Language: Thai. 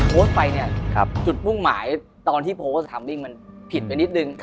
โพสต์ไปเนี่ยจุดมุ่งหมายตอนที่โพสต์ถามวิ่งมันผิดไปนิดนึง